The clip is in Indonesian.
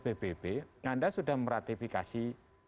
pbb anda sudah meratifikasi